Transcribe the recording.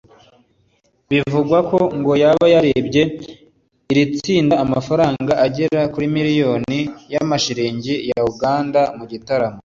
Bivugwa ko ngo yaba yaribye iri tsinda amafaranga agera kuri miliyoni y’amashilingi ya Uganda mu gitaramo